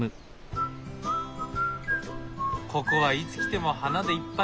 ここはいつ来ても花でいっぱい。